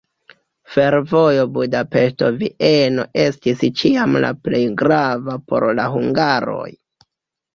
Fervojo Budapeŝto-Vieno estis ĉiam la plej grava por la hungaroj.